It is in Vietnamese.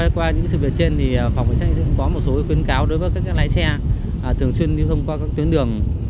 qua những sự việc trên thì phòng cảnh sát hình sẽ có một số khuyến cáo đối với các lái xe thường xuyên đi thông qua các tuyến đường